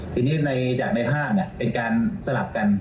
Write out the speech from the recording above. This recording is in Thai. ทีนี้ในจากในภาพเนี่ยเป็นการสลับกัน